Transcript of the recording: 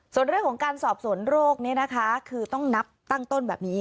ส่วนเรื่องของการสอบสวนโรคนี้นะคะคือต้องนับตั้งต้นแบบนี้